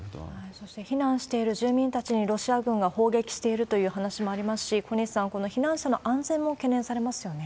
そして、避難している住民たちにロシア軍が砲撃しているという話もありますし、小西さん、この避難者の安全も懸念されますよね。